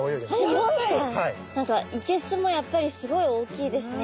何かいけすもやっぱりすごい大きいですね。